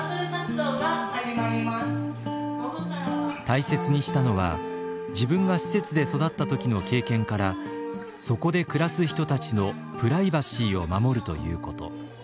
大切にしたのは自分が施設で育った時の経験からそこで暮らす人たちのプライバシーを守るということ。